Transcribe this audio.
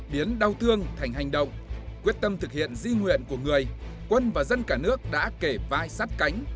biến đau thương thành hành động quyết tâm thực hiện di nguyện của người quân và dân cả nước đã kể vai sát cánh